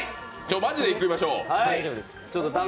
マジでいきましょう。